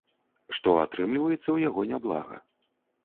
Што, атрымліваецца ў яго няблага.